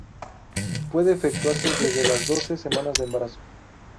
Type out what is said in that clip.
Puede efectuarse desde las doce semanas de embarazo.